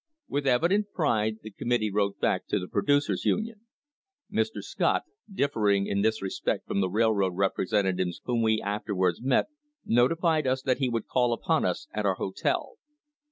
With evident pride the committee wrote back to the Producers' Union: "Mr. Scott, differing in this respect from the railroad representatives whom we afterwards met, notified us that he would call upon us at our hotel."